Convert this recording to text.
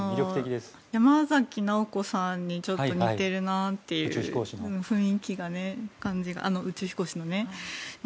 山崎直子さんにちょっと似ているなという雰囲気がね、宇宙飛行士のね。